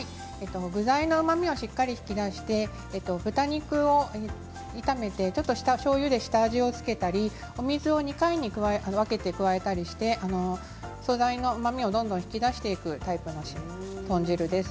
具材のうまみをしっかりと引き出して豚肉を炒めてしょうゆで下味を付けたりお水を２回に分けて加えたりして素材のうまみをどんどん引き出していくタイプの豚汁です。